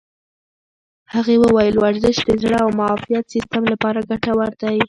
هغې وویل ورزش د زړه او معافیت سیستم لپاره ګټور دی.